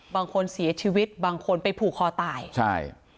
บางคนเสียชีวิตบางคนไปผูกคอตายใช่